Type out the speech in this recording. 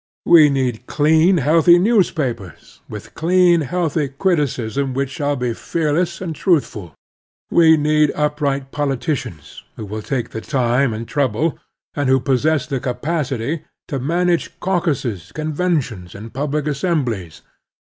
We need clean, healthy newspapers, with clean, healthy criticism which shall be fearless and truthful. We need upright politicians, who will take the time and trouble, and who possess the capacity, to manage caucuses, Latitude and Longitude 57 conventions, and public assemblies.